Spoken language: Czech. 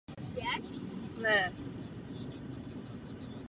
To znamená, že multilaterální proces běží dál.